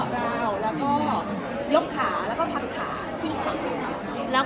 ที่เขาก็เกาะแล้วก็ยกขาแล้วก็พักขาที่ข้างหลัง